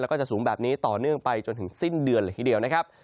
แล้วก็จะสูงแบบนี้ต่อเนื่องไปจนถึงสิ้นเดือนเลยทีเดียวนะครับ